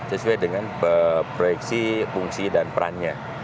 sesuai dengan proyeksi fungsi dan perannya